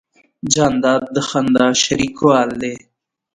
جانداد د خندا شریک دی.